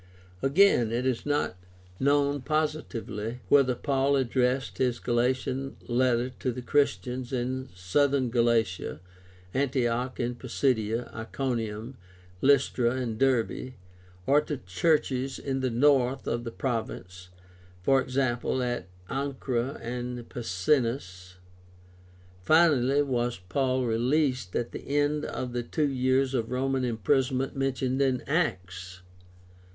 Again, it is not known positively whether Paul addressed his Galatian letter to Christians in Southern Galatia (Antioch in Pisidia, Iconium, Lystra, and Derbe) or to churches in the north of the province (e.g., at Ancyra or Pessinus). Finally, was Paul released at the end of the two years of Roman imprisonment mentioned in Acts